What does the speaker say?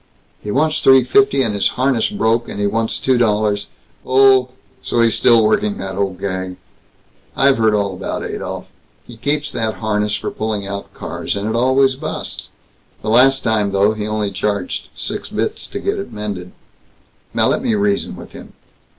"He wants three fifty, and his harness broke, and he wants two dollars " "Oh! So he's still working that old gag! I've heard all about Adolph. He keeps that harness for pulling out cars, and it always busts. The last time, though, he only charged six bits to get it mended. Now let me reason with him."